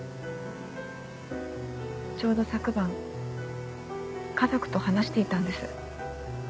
ちょうど昨晩家族と話していたんです。